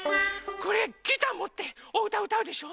これギターもっておうたうたうでしょ。